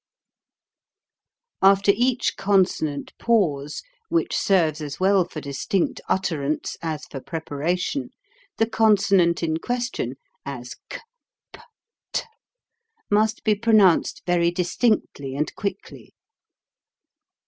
After each consonant pause (^) which serves as well for distinct utterance as for preparation, the consonant in question, as k, p } tj must be pronounced very distinctly and quickly.